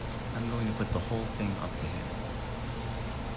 I'm going to put the whole thing up to him.